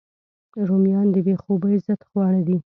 رومیان د بې خوبۍ ضد خواړه دي